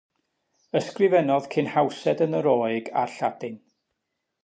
Ysgrifennodd cyn hawsed yn y Roeg a'r Lladin.